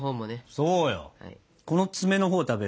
そうよ。